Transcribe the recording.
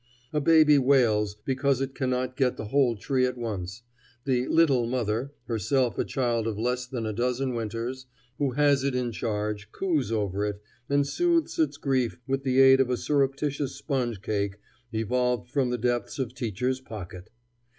A baby wails because it cannot get the whole tree at once. The "little mother" herself a child of less than a dozen winters who has it in charge cooes over it, and soothes its grief with the aid of a surreptitious sponge cake evolved from the depths of teacher's pocket.